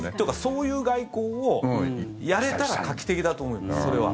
そういう外交をやれたら画期的だと思います、それは。